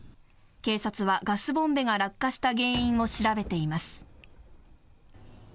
警察はガスボンベが落下した原因を調べています。